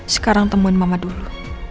sekarang temuin mama dulu